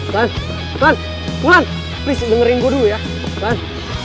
lan lan lan please dengerin gua dulu ya lan